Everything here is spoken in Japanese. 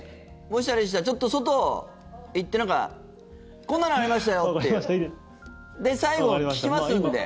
もしあれでしたらちょっと外行ってなんかこんなのありましたよってで、最後聞きますんで。